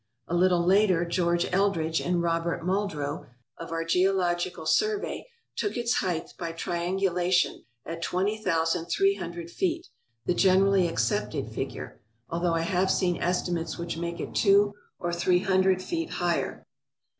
A little later George Eldridge and Robert Muldrow of our Geological Survey took its height by triangulation at twenty thousand three hundred feet, the generally accepted figure, although I have seen estimates which make it two or three hundred feet higher.